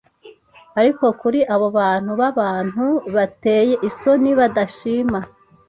Ariko kuri abo bantu b'abantu bateye isoni badashima